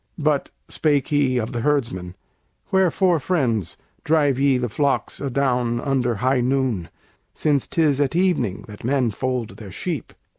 "But," spake he of the herdsmen, "wherefore, friends! Drive ye the flocks adown under high noon, Since 'tis at evening that men fold their sheep?"